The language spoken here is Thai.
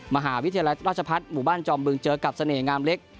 มหาวิทยาลัยราชพัฒน์หมู่บ้านจอมบึงเจอกับเสน่หงามเล็ก